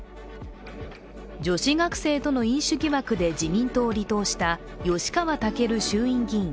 女子学生との飲酒疑惑で自民党を離党した吉川赳衆院議員。